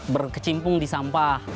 berkecimpung di sampah